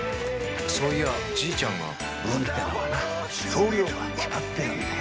そういやじいちゃんが運ってのはな量が決まってるんだよ。